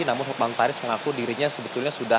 namun hukuman taris mengaku dirinya sebetulnya sudah